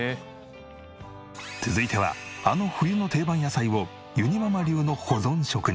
続いてはあの冬の定番野菜をゆにママ流の保存食に。